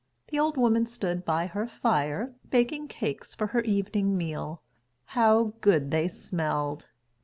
The old woman stood by her fire, baking cakes for her evening meal. How good they smelled!